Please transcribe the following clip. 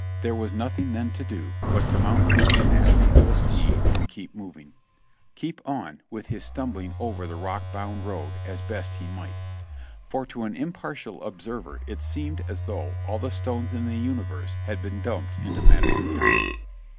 There was nothing then to do but to mount his anatomy of a steed and keep moving; keep on with his stumbling over the rock bound road as best he might, for to an impartial observer it seemed as though all the stones in the universe had been dumped into Madison County.